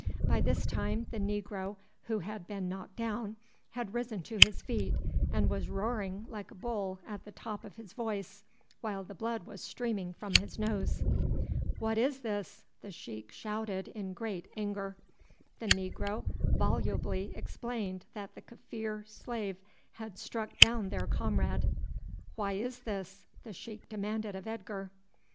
By this time the negro who had been knocked down had risen to his feet and was roaring like a bull at the top of his voice, while the blood was streaming from his nose. "What is this?" the sheik shouted in great anger. The negro volubly explained that the Kaffir slave had struck down their comrade. "Why is this?" the sheik demanded of Edgar.